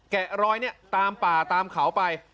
แกะรอยตามป่าตามเขาไป